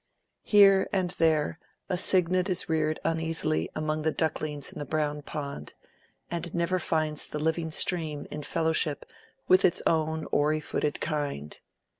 Here and there a cygnet is reared uneasily among the ducklings in the brown pond, and never finds the living stream in fellowship with its own oary footed kind.